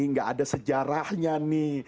enggak ada sejarahnya nih